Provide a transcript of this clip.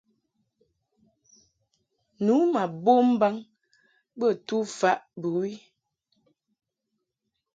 Nu ma bom mbaŋ bə tufaʼ bɨwi.